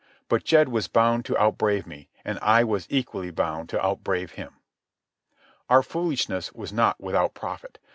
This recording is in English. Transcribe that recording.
But Jed was bound to outbrave me, and I was equally bound to outbrave him. Our foolishness was not without profit.